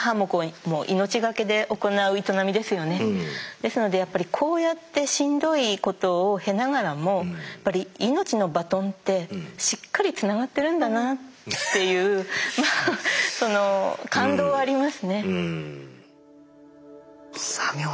ですのでやっぱりこうやってしんどいことを経ながらもやっぱり命のバトンってしっかりつながってるんだなっていうまあその感動はありますね。